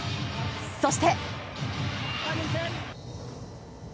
そして。